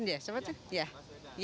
iya pak anies baswedan